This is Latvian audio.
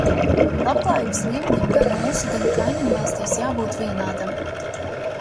Labklājības līmenim gan mūsu, gan kaimiņvalstīs jābūt vienādam.